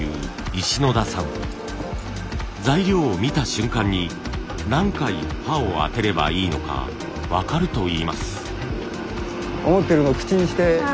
材料を見た瞬間に何回刃を当てればいいのか分かるといいます。